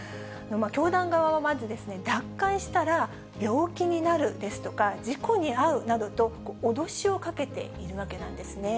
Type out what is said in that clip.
教団側はまず、脱会したら病気になるですとか、事故に遭うなどと脅しをかけているわけなんですね。